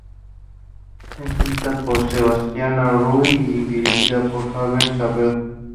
Escrita por Sebastián Arrau y dirigida por Herval Abreu.